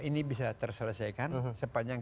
ini bisa terselesaikan sepanjang